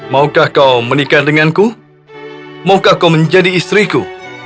maukah kau menikah denganku maukah kau menjadi istriku